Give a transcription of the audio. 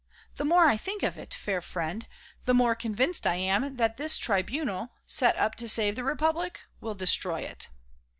The more I think of it, fair friend, the more convinced I am that this Tribunal, set up to save the Republic, will destroy it.